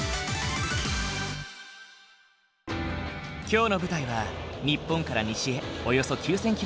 今日の舞台は日本から西へおよそ９，０００ｋｍ。